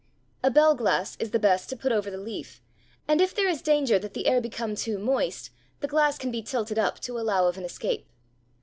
A bell glass is the best to put over the leaf, and if there is danger that the air become too moist, the glass can be tilted up to allow of an escape.